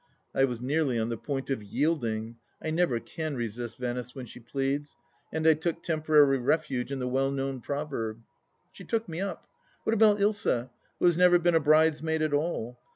I was nearly on the point of yielding — I never can resist Venice when she pleads, and I took temporary refuge in the well known proverb. She took me up :" What about Ilsa, who has never been a bridesmaid at all